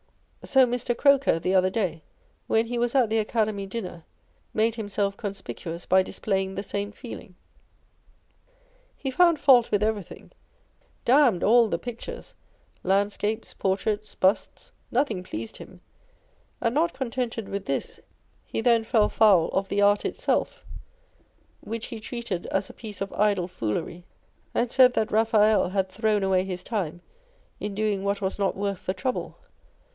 So Mr. Croker,1 the other day, when he was at the Academy dinner, made himself conspicuous by displaying the same feeling. He found fault with everything, damned all the pictures â€" land scapes, portraits, busts, nothing pleased him ; and not con tented with this, he then fell foul of the art itself, which he treated as a piece of idle foolery, and said that Raphael had thrown away his time in doing what was not worth the trouble.